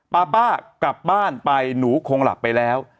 ป้าป้ากลับบ้านไปหนูคงหลับไปแล้ว